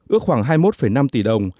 ước khoảng hai mươi một năm tỷ đồng